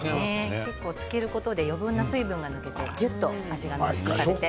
漬けることで余分な水分が抜けてぎゅっと味がしみこみます。